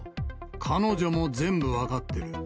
彼女も全部分かってる。